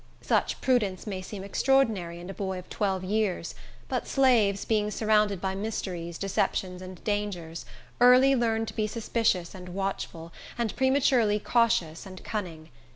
Such prudence may seem extraordinary in a boy of twelve years, but slaves, being surrounded by mysteries, deceptions, and dangers, early learn to be suspicious and watchful, and prematurely cautious and cunning.